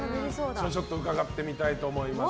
それを伺ってみたいと思います。